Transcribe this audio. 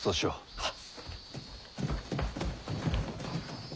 はっ。